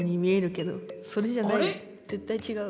絶対違う？